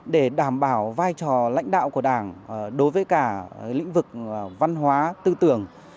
để đảm bảo vai trò lãnh đạo của đảng đối với cả lĩnh vực văn hóa tư tưởng